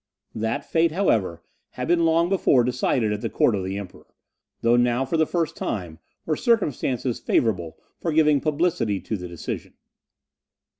That fate, however, had been long before decided at the court of the Emperor; though now, for the first time, were circumstances favourable for giving publicity to the decision.